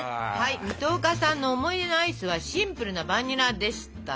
水戸岡さんの思い出のアイスはシンプルなバニラでしたよ。